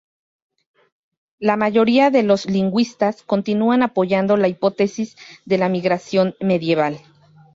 La mayoría de los lingüistas continúan apoyando la hipótesis de la migración medieval.